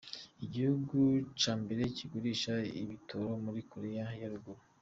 Igihugu ca mbere kigurisha ibitoro muri Korea ya ruguru.